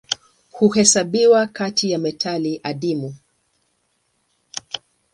Huhesabiwa kati ya metali adimu.